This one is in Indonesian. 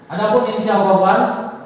ada pun ini jawaban